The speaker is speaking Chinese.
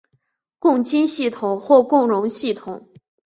共晶系统或共熔系统。